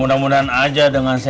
jadi an manggung ke adot kasih jama